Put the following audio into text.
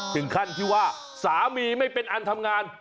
ถึงขั้นที่ว่าสามีไม่เป็นอันทำงาน